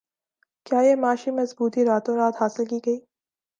کیا یہ معاشی مضبوطی راتوں رات حاصل کی گئی